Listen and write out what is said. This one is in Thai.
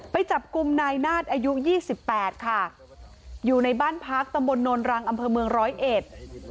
ไปจับกุมนายนาฏอายุ๒๘ค่ะอยู่ในบ้านพักตมนตร์นอนรังอำเภอเมืองร้อยเอ็ด